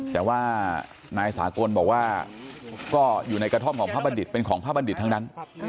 แต่ว่านายสากลบอกว่าก็อยู่ในกระท่อมของพระบัณฑิตเป็นของพระบัณฑิตทั้งนั้น